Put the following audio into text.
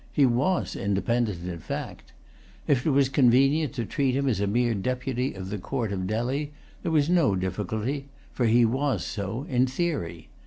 He was independent, in fact. If it was convenient to treat him as a mere deputy of the Court of Delhi, there was no difficulty; for he was so in theory.